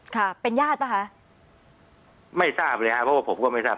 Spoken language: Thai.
ค่ะเป็นญาติป่ะคะไม่ทราบเลยครับเพราะว่าผมก็ไม่ทราบ